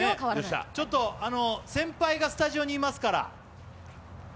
ちょっと先輩がスタジオにいますから。